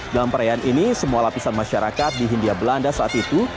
dalam perayaan ini semua lapisan masyarakat di hindia belanda saat itu